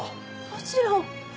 もちろん。